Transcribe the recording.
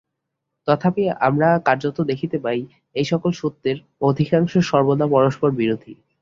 তথাপি আমরা কার্যত দেখিতে পাই, এই-সকল সত্যের অধিকাংশই সর্বদা পরস্পর বিরোধী।